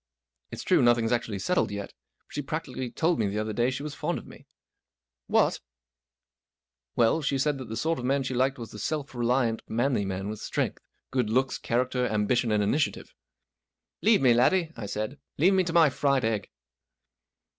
It's true nothing's actually settled yet, but she practically told me the other day she was fond of me." 44 What !" 44 Well, she said that the sort of man she liked was the self reliant, manly man with strength, good looks, character, ambition, and initiative." 44 Leave me, laddie," I said. " Leave me to my fried egg."